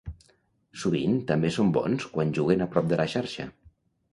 Sovint també són bons quan juguen a prop de la xarxa.